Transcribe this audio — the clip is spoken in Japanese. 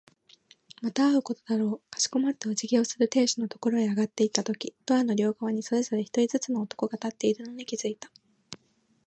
また会うことだろう。かしこまってお辞儀をする亭主のところへ上がっていったとき、ドアの両側にそれぞれ一人ずつの男が立っているのに気づいた。